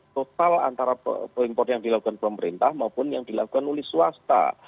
total antara impor yang dilakukan pemerintah maupun yang dilakukan ulis swasta